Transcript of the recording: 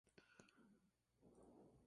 Estigma pequeño, capitado.